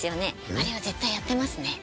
あれは絶対やってますね。